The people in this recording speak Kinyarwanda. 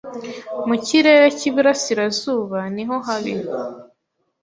Mu kirere cy'iburasirazuba niho habi